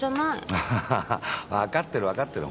アハハハ分かってる分かってる。